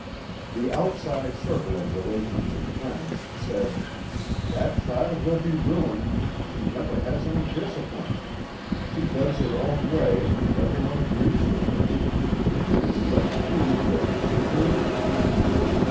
The outside circle of relations and friends said, " That child will be ruined she never has any discipline she does her own way and every one agrees with her she is let to do just as she pleases."